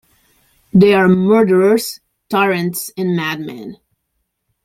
They are murderers, tyrants, and madmen.